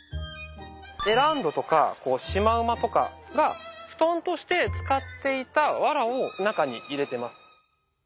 エランドとかシマウマとかが布団として使っていたわらを中に入れています。